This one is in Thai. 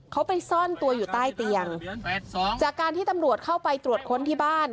เขาไปซ่อนตัวอยู่ใต้เตียงจากการที่ตำรวจเข้าไปตรวจค้นที่บ้าน